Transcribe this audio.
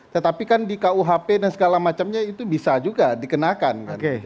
tetapi kan di kuhp dan segala macamnya itu bisa juga dikenakan